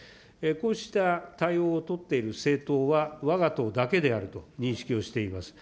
こうした対応を取っている政党はわが党だけであると認識をしています。